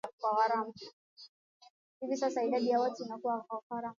Hivi sasa idadi ya watu inakua kwa gharama